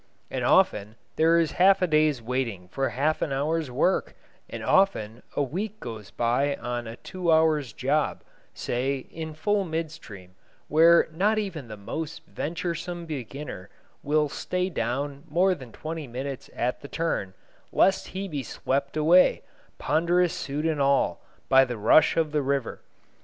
And often there is half a day's waiting for half an hour's work, and often a week goes by on a two hours' job, say, in full midstream, where not even the most venturesome beginner will stay down more than twenty minutes at the turn, lest he be swept away, ponderous suit and all, by the rush of the river.